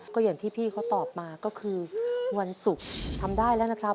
ก็อย่างที่พี่เขาตอบมาก็คือวันศุกร์ทำได้แล้วนะครับ